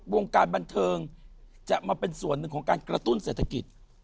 วงการบันเทิงจะมาเป็นส่วนหนึ่งของการกระตุ้นเศรษฐกิจ